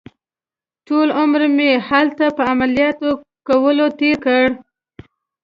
ټول عمر مې همدلته په عملیات کولو تېر کړ.